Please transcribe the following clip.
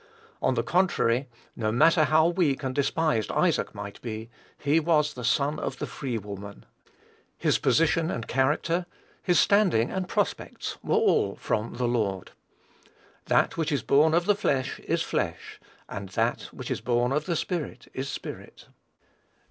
On the contrary, no matter how weak and despised Isaac might be, he was the son of the free woman. His position and character, his standing and prospects, were all from the Lord. "That which is born of the flesh is flesh; and that which is born of the Spirit is spirit."